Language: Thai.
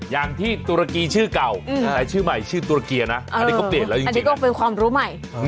อย่างที่ตุรกีชื่อเก่าแต่ชื่อใหม่ชื่อตุรกีอะนะอันนี้ก็เป็นความรู้ใหม่